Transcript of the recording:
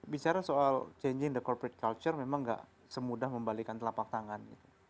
bicara soal changing the corporate culture memang gak semudah membalikan telapak tangan